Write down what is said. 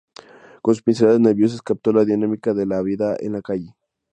Con sus pinceladas nerviosas captó la dinámica de la vida en la calle.